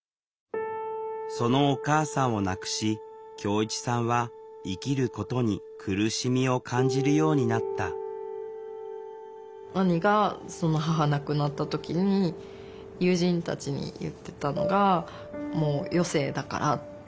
そのお母さんを亡くし恭一さんは生きることに苦しみを感じるようになった兄がその母亡くなった時に友人たちに言ってたのが「もう余生だから」って。